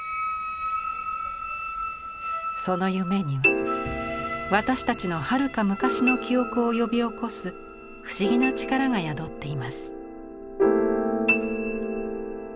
その夢には私たちのはるか昔の記憶を呼び起こす不思議な力が宿っています。